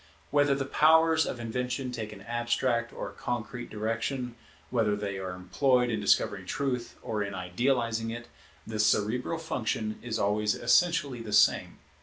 Whether the powers of invention take an abstract or a concrete direction, whether they are employed in discovering truth or in idealizing it, the cerebral function is always essentially the same.